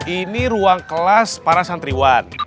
ini ruang kelas para santriwan